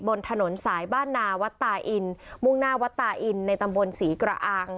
บนถนนสายบ้านนาวัดตาอินมุ่งหน้าวัดตาอินในตำบลศรีกระอัง